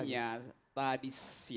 sebenarnya tadi siang